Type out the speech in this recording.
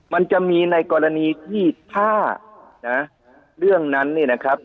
มันจะมีในกรณีที่ถ้านะเรื่องนั้นเนี่ยนะครับ